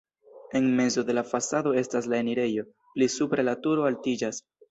En mezo de la fasado estas la enirejo, pli supre la turo altiĝas.